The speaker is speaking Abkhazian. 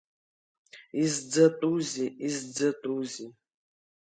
Изӡатәузеи, изӡатәузеи!